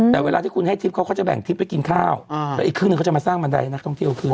แต่เวลาที่คุณให้ทริปเขาก็จะแบ่งทริปให้กินข้าวแล้วอีกครึ่งหนึ่งเขาจะมาสร้างบันไดให้นักท่องเที่ยวขึ้น